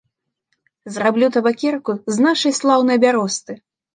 Зраблю табакерку з нашай слаўнай бяросты.